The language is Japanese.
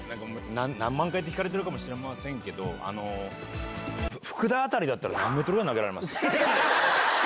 なんか、何万回って聞かれてるかもしれませんけど、福田あたりだったら、何メートルぐらい投げられますか？